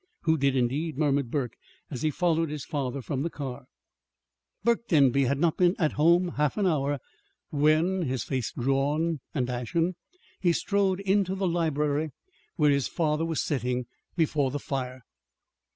"Who did, indeed?" murmured Burke, as he followed his father from the car. Burke Denby had not been at home half an hour, when, his face drawn and ashen, he strode into the library where his father was sitting before the fire.